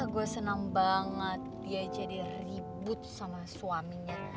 gue senang banget dia jadi ribut sama suaminya